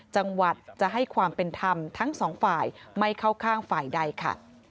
จังหวัดจะให้ความเป็นธรรมทั้งสองฝ่ายไม่เข้าข้างฝ่ายใดค่ะ